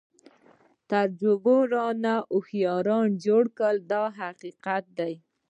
تجربو رانه هوښیاران جوړ کړل دا حقیقت دی.